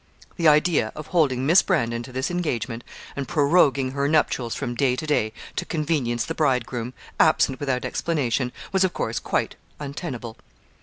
The idea of holding Miss Brandon to this engagement, and proroguing her nuptials from day to day, to convenience the bridegroom absent without explanation was of course quite untenable.